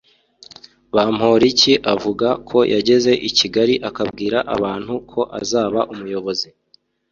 Bamporiki avuga ko yageze I Kigali akabwira abantu ko azaba umuyobozi